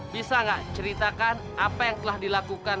bisa nggak ceritakan apa yang telah dilakukan